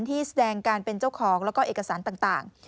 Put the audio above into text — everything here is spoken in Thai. ที่แสดงการเป็นเจ้าของแล้วก็เอกสารต่าง